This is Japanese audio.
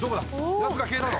ヤツが消えたぞ。